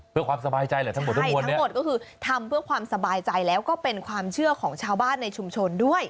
เพื่อความสบายใจแหละทั้งหมดทั้งมวลทั้งหมดทั้งหมดก็คือทำเพื่อความสบายใจแล้วก็เป็นความเชื่อของชาวบ้านในชุมชนด้วย